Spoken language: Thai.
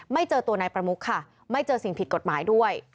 เจอตัวนายประมุกค่ะไม่เจอสิ่งผิดกฎหมายด้วย